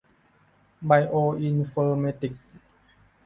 ไบโออินฟอร์เมติกส์